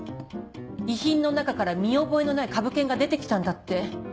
遺品の中から見覚えのない株券が出てきたんだって。